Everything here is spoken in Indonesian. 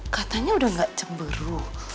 katanya udah gak cemberu